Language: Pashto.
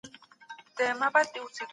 واقعي پوښتنې د حقایقو په اړه وي.